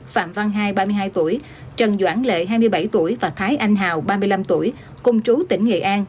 phạm văn hai ba mươi hai tuổi trần doãn lệ hai mươi bảy tuổi và thái anh hào ba mươi năm tuổi cùng chú tỉnh nghệ an